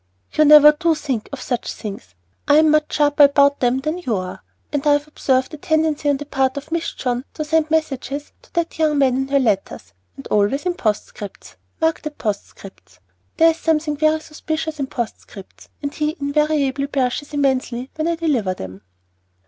"You never do think of such things. I am much sharper about them than you are, and I have observed a tendency on the part of Miss John to send messages to that young man in her letters, and always in postscripts. Mark that, postscripts! There is something very suspicious in postscripts, and he invariably blushes immensely when I deliver them."